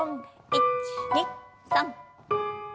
１２３。